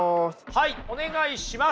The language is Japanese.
はいお願いします。